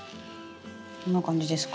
こんな感じですか？